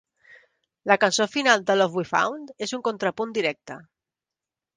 La cançó final, "The Love We Found", és un contrapunt directe.